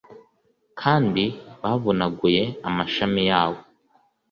kandi bavunaguye amashami yawo